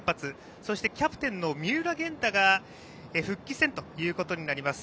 そして、キャプテンの三浦弦太が復帰戦ということになります。